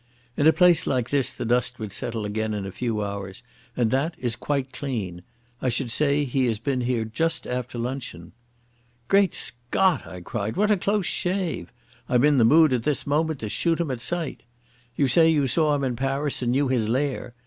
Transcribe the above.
"In a place like this the dust would settle again in a few hours, and that is quite clean. I should say he has been here just after luncheon." "Great Scott!" I cried, "what a close shave! I'm in the mood at this moment to shoot him at sight. You say you saw him in Paris and knew his lair.